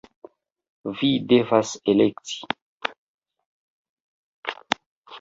- Vi devas elekti!